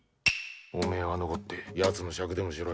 おめえは残ってやつの酌でもしろ。